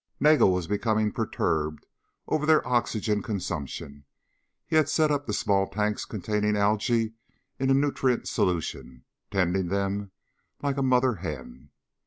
Nagel was becoming perturbed over their oxygen consumption. He had set up the small tanks containing algae in a nutrient solution, tending them like a mother hen.